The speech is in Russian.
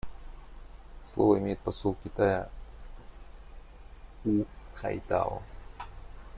Слово имеет посол Китая У Хайтао.